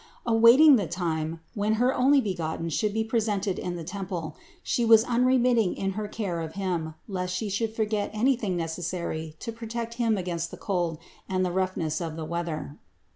Await ing the time when her Onlybegotten should be presented in the temple, She was unremitting in her care of Him, lest She forget anything necessary to protect Him against the cold and the roughness of the weather.